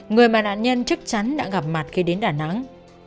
người mà nạn nhân chắc chắn đã gặp mặt khi đến đà nẵng